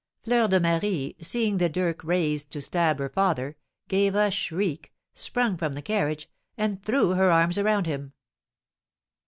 Fleur de Marie, seeing the dirk raised to stab her father, gave a shriek, sprung from the carriage, and threw her arms around him.